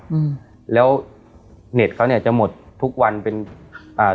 อืมแล้วเน็ตเขาเนี้ยจะหมดทุกวันเป็นอ่า